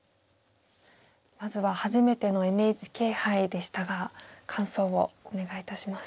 まずは初めてのＮＨＫ杯でしたが感想をお願いいたします。